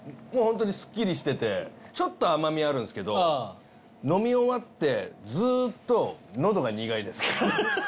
もうホントにすっきりしててちょっと甘味あるんですけど飲み終わってずーっと喉が苦いです。